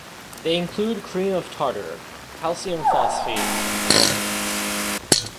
They include cream of tartar, calcium phosphate, and citrates.